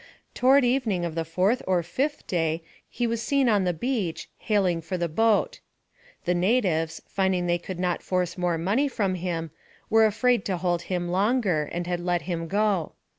Toward evening of the fourth or fifth day he was seen on the beach, hailing for the boat. The natives, finding they could not force more money from him, were afraid to hold him longer, and had let him go.